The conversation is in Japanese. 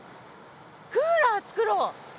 クーラーつくろう！